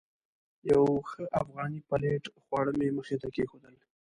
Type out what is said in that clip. یو ښه افغاني پلیټ خواړه مې مخې ته کېښودل.